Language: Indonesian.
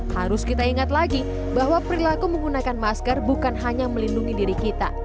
harus kita ingat lagi bahwa perilaku menggunakan masker bukan hanya melindungi diri kita